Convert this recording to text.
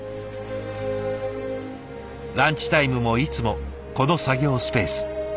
ランチタイムもいつもこの作業スペース。